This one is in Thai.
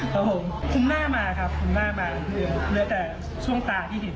คุณแม่มาครับคุณแม่มาเหลือแต่ช่วงตาที่เห็น